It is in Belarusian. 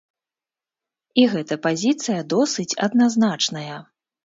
І гэта пазіцыя досыць адназначная.